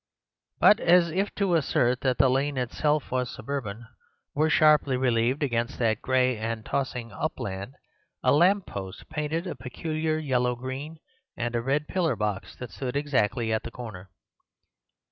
But as if to assert that the lane itself was suburban, were sharply relieved against that gray and tossing upland a lamp post painted a peculiar yellow green and a red pillar box that stood exactly at the corner.